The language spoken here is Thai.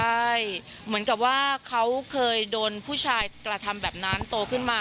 ใช่เหมือนกับว่าเขาเคยโดนผู้ชายกระทำแบบนั้นโตขึ้นมา